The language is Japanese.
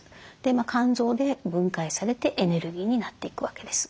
肝臓で分解されてエネルギーになっていくわけです。